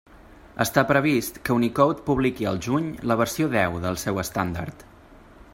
Està previst que Unicode publiqui al juny la versió deu del seu estàndard.